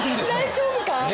大丈夫か？